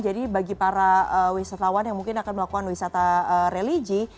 jadi bagi para wisatawan yang mungkin akan melakukan wisata religi